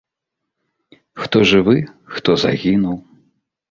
Хто жывы, хто загінуў.